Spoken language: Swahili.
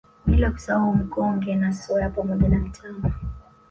Bila kusahau Mkonge na Soya pamoja na mtama